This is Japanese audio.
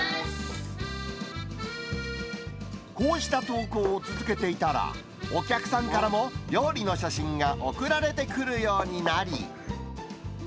こうした投稿を続けていたら、お客さんからも、料理の写真が送られてくるようになり。